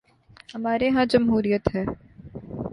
ہمارے ہاں جمہوریت ہے۔